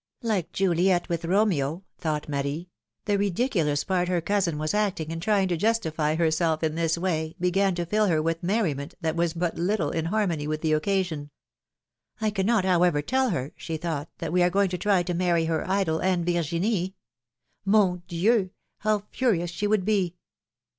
" ^^Like Juliet with Romeo," thought Marie; the ridiculous part her cousin was acting in trying to justify herself in this way began to fill her with merriment that was but little in harmony with the occasion. ^^I cannot, however, tell her," she thought, ^^that we are going to try to marry her idol and Virginie! Mon Dieu! how furious she would be